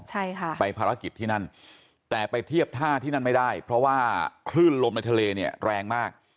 ใช่ค่ะไปภารกิจที่นั่นแต่ไปเทียบท่าที่นั่นไม่ได้เพราะว่าคลื่นลมในทะเลเนี่ยแรงมาก